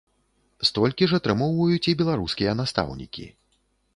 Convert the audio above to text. Столькі ж атрымоўваюць і беларускія настаўнікі.